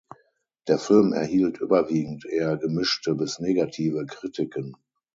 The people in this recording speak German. Der Film erhielt überwiegend eher gemischte bis negative Kritiken.